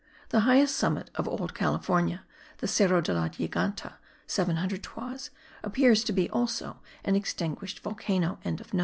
The highest summit of Old California, the Cerro de la Giganta (700 toises), appears to be also an extinguished volcano.)